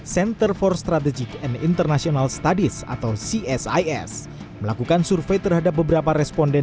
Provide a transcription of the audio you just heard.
center for strategic and international studies atau csis melakukan survei terhadap beberapa responden